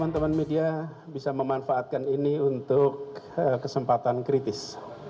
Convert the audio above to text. teman teman media bisa memanfaatkan ini untuk kesempatan kritis